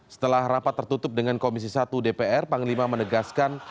setelah rapat tertutup dengan komisi satu dpr panglima menegaskan